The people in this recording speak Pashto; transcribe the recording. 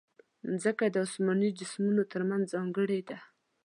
مځکه د اسماني جسمونو ترمنځ ځانګړې ده.